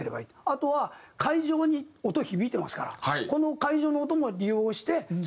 あとは会場に音響いてますからこの会場の音も利用してずーっと。